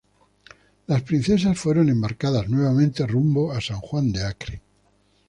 Las princesas fueron embarcadas nuevamente rumbo a San Juan de Acre.